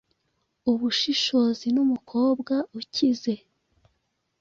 Ubushishozi numukobwa ukize,